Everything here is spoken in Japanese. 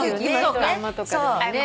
ドラマとかでもね。